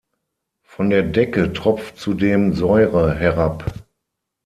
Von der Decke tropft zudem Säure herab.